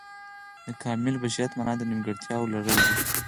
د کامل بشریت معنا د نیمګړتیاو لرل دي.